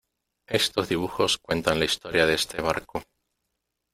estos dibujos cuentan la historia de este barco .